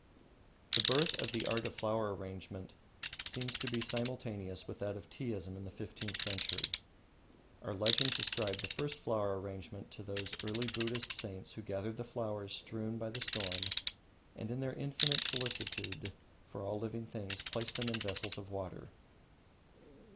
The birth of the Art of Flower Arrangement seems to be simultaneous with that of Teaism in the fifteenth century. Our legends ascribe the first flower arrangement to those early Buddhist saints who gathered the flowers strewn by the storm and, in their infinite solicitude for all living things, placed them in vessels of water.